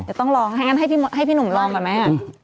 อย่าต้องลองให้พี่หนุ่มลองก่อนแม่